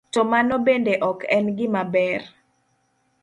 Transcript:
To mano bende ok en gima ber.